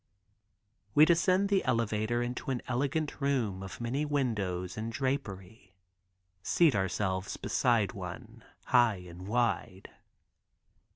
We descend the elevator into an elegant room of many windows and drapery, seat ourselves beside one, high and wide.